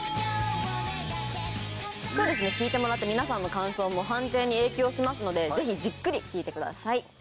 聴いてもらった皆さんの感想も判定に影響しますのでぜひじっくり聴いてください。